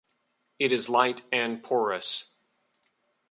It is light and porous.